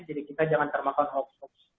jadi kita jangan termakan hoax hoax